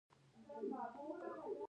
له منځه یې یوسه.